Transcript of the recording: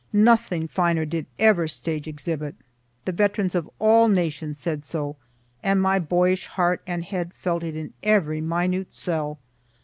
Nothing finer did ever stage exhibit the veterans of all nations said so, and my boyish heart and head felt it in every minute cell.